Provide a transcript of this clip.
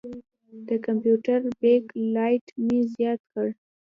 د کمپیوټر بیک لایټ مې زیات کړ.